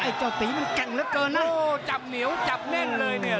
เจ้าตีมันแก่งเหลือเกินนะโอ้จับเหนียวจับแน่นเลยเนี่ย